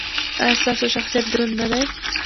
ایا ستاسو شخصیت دروند نه دی؟